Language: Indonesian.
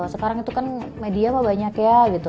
sekarang itu kan media banyak ya